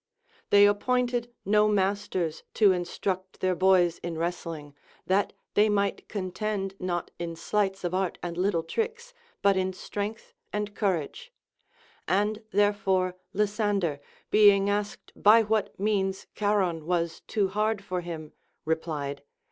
They ap pointed no masters to instruct their boys in wrestling, that they might contend not in sleights of art and little tricks, but in strength and courage ; and therefore Lysander, being asked by what means Charon was too hard for him, replied.